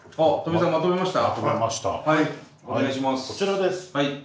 こちらです。